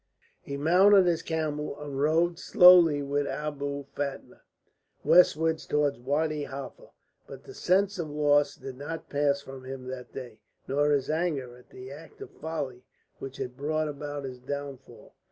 He mounted his camel and rode slowly with Abou Fatma westwards towards Wadi Halfa. But the sense of loss did not pass from him that day, nor his anger at the act of folly which had brought about his downfall.